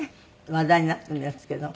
話題になっているんですけど。